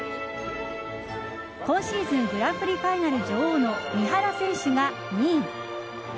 今シーズングランプリファイナル女王の三原選手が２位。